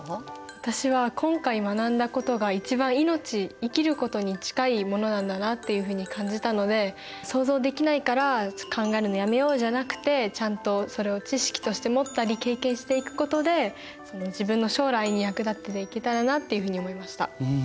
私は今回学んだことが一番命生きることに近いものなんだなっていうふうに感じたので想像できないから考えるのやめようじゃなくてちゃんとそれを知識として持ったり経験していくことで自分の将来に役立てていけたらなっていうふうに思いました。